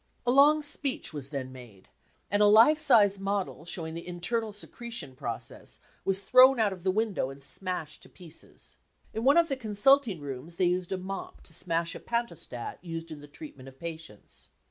A long* speech was then made, and a life sized model showing the internal secretion process was thrown out of the window and smashed to pieces. In one of the consulting rooms they used a mop to smash a pantostat used in the treatment of patients.